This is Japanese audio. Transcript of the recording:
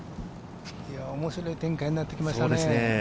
面白い展開になってきましたね。